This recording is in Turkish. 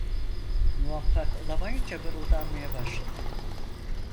Muvaffak olamayınca mırıldanmaya başladı: